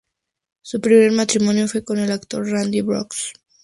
Su primer matrimonio fue con el actor Randy Brooks.